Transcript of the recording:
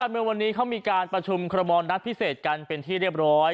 เมื่อวันนี้เขามีการประชุมคอรมอลนัดพิเศษกันเป็นที่เรียบร้อย